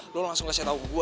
lo langsung kasih tahu gue ya